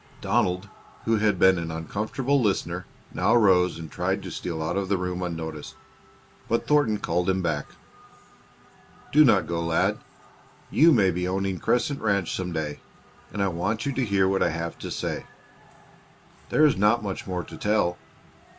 Donald, who had been an uncomfortable listener, now rose and tried to steal out of the room unnoticed, but Thornton called him back. "Do not go, lad. You may be owning Crescent Ranch some day, and I want you to hear what I have to say. There is not much more to tell.